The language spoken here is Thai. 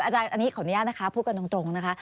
อันนี้ขออนุญาตนะคะพูดกันตรงนะคะ